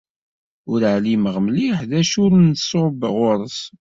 Ur ɛlimeɣ mliḥ d acu ur nṣub ɣur-s.